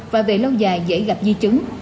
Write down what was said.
và về lâu dài dễ gặp di chứng